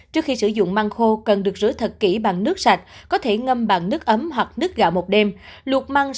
trước khi sử dụng măng khô cần được rửa thật kỹ bằng nước sạch có thể ngâm bằng nước ấm hoặc nước gạo một đêm luộc măng